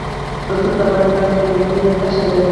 رسوب د افغانستان د ملي هویت نښه ده.